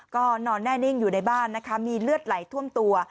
ก็นอนแน่นิ่งอยู่ในบ้านนะคะมีเลือดไหลท่วมตัว